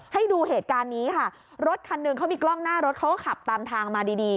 ให้ดูเหตุการณ์นี้ค่ะรถคันหนึ่งเขามีกล้องหน้ารถเขาก็ขับตามทางมาดีดี